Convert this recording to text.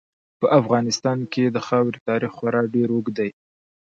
په افغانستان کې د خاورې تاریخ خورا ډېر اوږد دی.